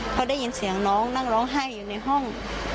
เขาได้ยินเสียงน้องนั่งร้องไห้อยู่ในห้อง